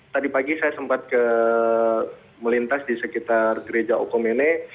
tadi pagi saya sempat melintas di sekitar gereja okomene